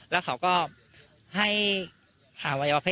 แซ็คเอ้ยเป็นยังไงไม่รอดแน่